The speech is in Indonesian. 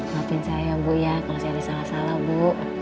maafin saya ya bu ya kalau saya disalah salah bu